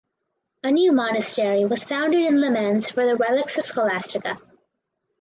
A new monastery was founded in Le Mans for the relics of Scholastica.